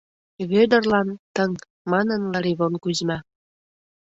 — Вӧдырлан — тыҥ, — манын Лыривон Кузьма.